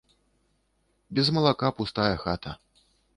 Без малака пустая хата.